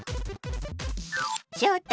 翔太